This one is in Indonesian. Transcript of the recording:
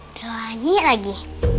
udah nyiik lagi